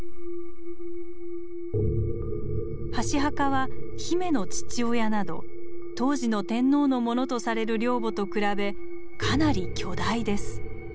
箸墓はヒメの父親など当時の天皇のものとされる陵墓と比べかなり巨大です。